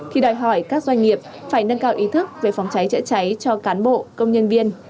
khi đòi hỏi các doanh nghiệp phải nâng cao ý thức về phòng cháy chữa cháy cho cán bộ công nhân viên